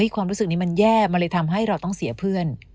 ความรู้สึกนี้มันแย่มันเลยทำให้เราต้องเสียเพื่อน